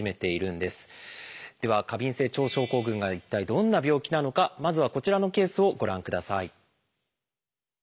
では過敏性腸症候群が一体どんな病気なのかまずはこちらのケースをご覧ください。